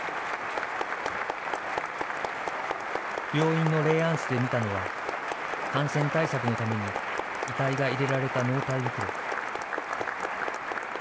病院の霊安室で見たのは、感染対策のために、遺体が入れられた納体袋。